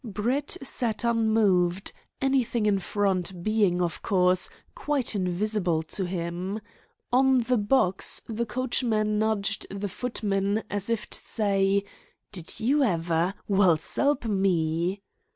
Brett sat unmoved, anything in front being, of course, quite invisible to him. On the box the coachman nudged the footman, as if to say: "Did you ever! Well, s'elp me!"